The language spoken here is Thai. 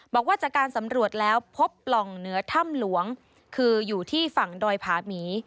บอกว่าจากการสำรวจแล้วพบปล่องเหนือถ้ำหลวงคืออยู่ที่ฝั่งดอยผาหมี